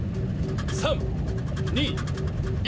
３２１。